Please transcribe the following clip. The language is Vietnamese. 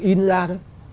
chân ra thôi